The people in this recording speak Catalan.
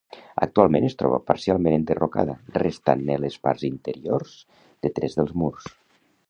Actualment es troba parcialment enderrocada, restant-ne les parts inferiors de tres dels murs.